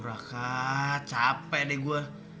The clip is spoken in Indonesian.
raka capek deh gue